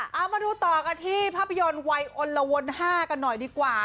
เอามาดูต่อกันที่ภาพยนตร์วัยอลละวน๕กันหน่อยดีกว่า